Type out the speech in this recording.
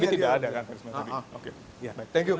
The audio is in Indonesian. thank you bang jokowi